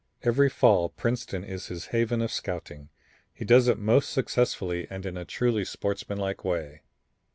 Every fall Princeton is his haven of scouting. He does it most successfully and in a truly sportsmanlike way.